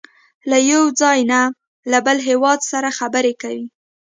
له یو ځای نه له بل هېواد سره خبرې کوي.